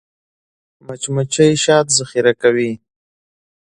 مچمچۍ شات ذخیره کوي